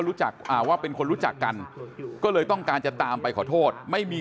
อ่าว่าเป็นคนรู้จักกันก็เลยต้องการจะตามไปขอโทษไม่มี